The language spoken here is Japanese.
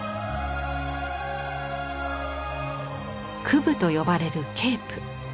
クブと呼ばれるケープ。